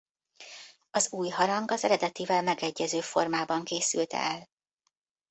Az új harang az eredetivel megegyező formában készült el.